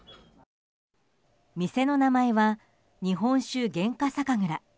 店の名前は日本酒原価酒蔵。